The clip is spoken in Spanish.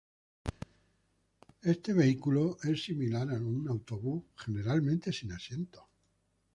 Este vehículo es similar a un autobús, generalmente sin asientos.